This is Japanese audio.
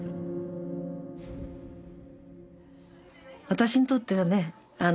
私にとってはね